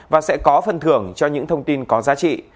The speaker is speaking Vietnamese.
và sẽ có phần thưởng cho những thông tin có giá trị